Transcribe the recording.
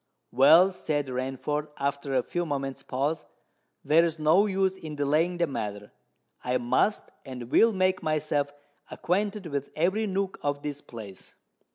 "Well," said Rainford, after a few moments' pause, "there's no use in delaying the matter. I must and will make myself acquainted with every nook of this place."